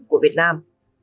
của việt nam